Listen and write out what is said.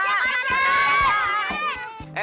makasih ya kak randi